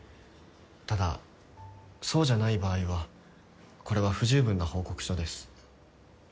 ただそうじゃない場合はこれは不十分な報告書です。